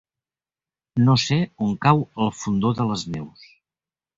No sé on cau el Fondó de les Neus.